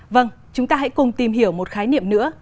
vâng chúng ta hãy cùng tìm hiểu một khái niệm nữa